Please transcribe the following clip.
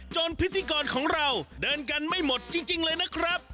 พิธีกรของเราเดินกันไม่หมดจริงเลยนะครับ